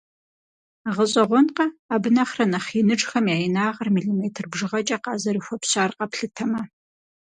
ГъэщӀэгъуэнкъэ, абы нэхърэ нэхъ иныжхэм я инагъыр милиметр бжыгъэкӀэ къазэрыхуэпщар къэплъытэмэ?!